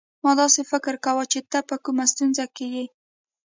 ما داسي فکر کاوه چي ته په کومه ستونزه کې يې.